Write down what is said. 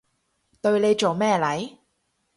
對你做咩嚟？